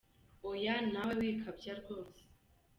Hoya nawe wikabya rwose